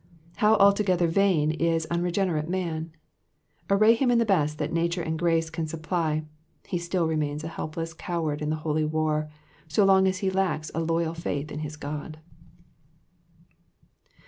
How altogether vain is unregenerate man ! Array him in the best that nature and grace can supply, he still remains a helpless coward in the holy war, so long as he lacks a loyal faith in his God.